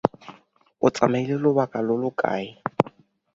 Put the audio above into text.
O tsamaile lobaka lo lo kae?